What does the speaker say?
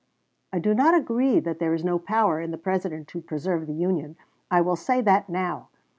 "I do not agree that there is no power in the President to preserve the Union; I will say that now.